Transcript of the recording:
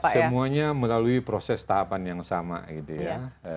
semuanya melalui proses tahapan yang sama gitu ya